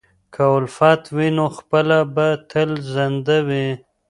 که الفت وي، نو پوهه به تل زنده وي.